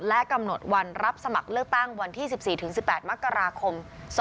และกำหนดวันรับสมัครเลือกตั้งวันที่๑๔๑๘มกราคม๒๕๖